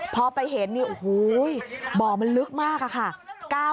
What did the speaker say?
พอไปเห็นอู๋ฮู้ยเบาะมันลึกมากค่ะ